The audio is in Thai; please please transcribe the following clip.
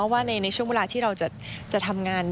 ว่าในช่วงเวลาที่เราจะทำงาน